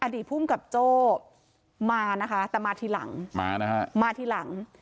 อดีตภูมิกับโจ้มานะคะแต่มาทีหลังมานะฮะมาทีหลัง